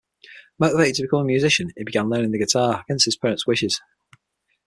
Motivated to become a musician, he began learning the guitar against his parents wishes.